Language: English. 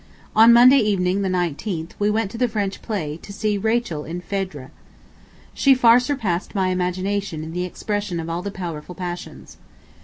On Monday evening, the 19th, we went to the French play, to see Rachel in "Phèdre." She far surpassed my imagination in the expression of all the powerful passions.